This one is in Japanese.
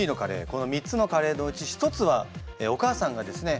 この３つのカレーのうち１つはお母さんがですね